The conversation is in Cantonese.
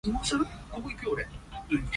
音樂無分彊界